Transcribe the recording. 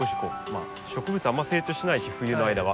あんまり成長しないし冬の間は。